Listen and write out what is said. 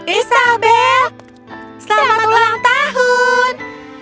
isabel selamat ulang tahun